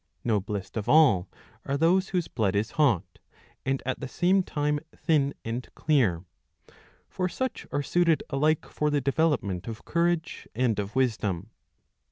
Noblest of all are those whose blood is hot, and at the same time thin and clear. For 648 a. 24 11. 2. such are suited alike for the development of courage and of wisdom.